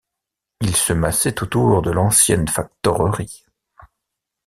Ils se massaient autour de l’ancienne factorerie.